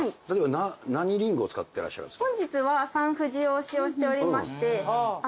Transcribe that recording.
何リンゴを使ってらっしゃるんですか？